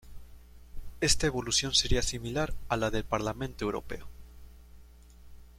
Esta evolución sería similar a la del Parlamento Europeo.